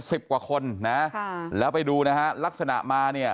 สิบกว่าคนนะค่ะแล้วไปดูนะฮะลักษณะมาเนี่ย